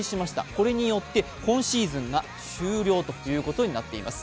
これによって今シーズンが終了ということになっています。